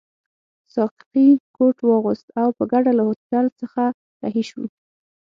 ساقي کوټ واغوست او په ګډه له هوټل څخه رهي شوو.